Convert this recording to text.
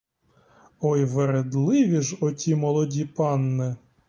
Ой вередливі ж оті молоді панни!